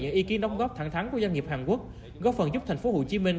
những ý kiến đóng góp thẳng thắng của doanh nghiệp hàn quốc góp phần giúp thành phố hồ chí minh